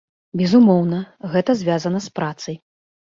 Безумоўна, гэта звязана з працай.